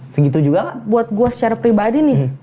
segitu juga gak buat gue secara pribadi nih